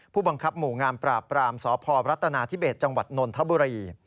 ผู้บังคับหมู่งามปราบปรามสพรัฐนาธิเบสจังหวัดนนทบุรี